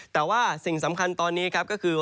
แต่สิ่งสำคัญตอนนี้ก็คือ